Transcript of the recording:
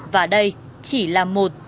và đây chỉ là một